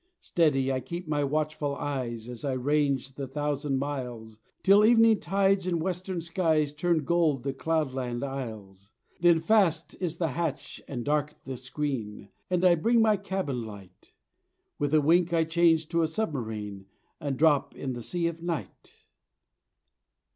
Steady I keep my watchful eyes, As I range the thousand miles, Till evening tides in western skies Turn gold the cloudland isles; Then fast is the hatch and dark the screen, And I bring my cabin light; With a wink I change to a submarine And drop in the sea of Night.